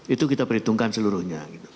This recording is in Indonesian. itu kita perhitungkan seluruhnya